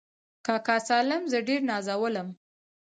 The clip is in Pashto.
کاکا سالم زه ډېر نازولم.